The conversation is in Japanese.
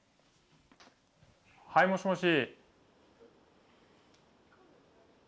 はいもしもし。